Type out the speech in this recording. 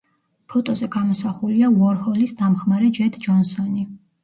ფოტოზე გამოსახულია უორჰოლის დამხმარე ჯედ ჯონსონი.